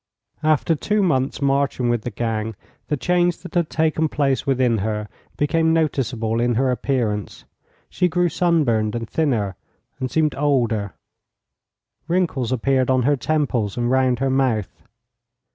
After two months' marching with the gang, the change that had taken place within her became noticeable in her appearance. She grew sunburned and thinner, and seemed older; wrinkles appeared on her temples and round her mouth.